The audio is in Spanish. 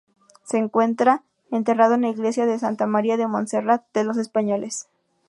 Se encuentra enterrado en la Iglesia de Santa María de Montserrat de los Españoles.